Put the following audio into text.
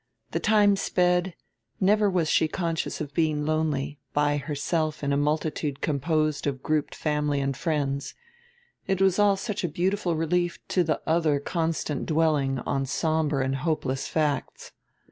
The time sped; never was she conscious of being lonely, by herself in a multitude composed of grouped families and friends. It was all such a beautiful relief to the other constant dwelling on somber and hopeless facts!